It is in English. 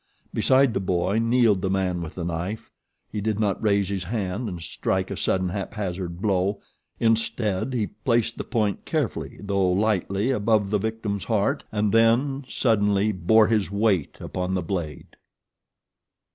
Beside the boy kneeled the man with the knife. He did not raise his hand and strike a sudden, haphazard blow. Instead he placed the point carefully, though lightly, above the victim's heart, and then, suddenly, bore his weight upon the blade.